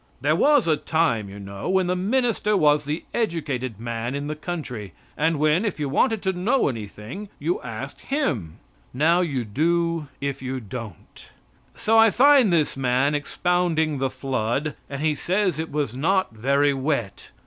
There was a time, you know, when the minister was the educated man in the country, and when, if you wanted to know anything, you asked him. Now you do if you don't. So I find this man expounding the flood, and he says it was not very wet.